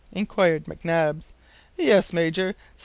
inquired McNabbs. "Yes, Major, 79,625."